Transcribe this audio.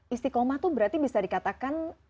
istiqomah itu berarti bisa dikatakan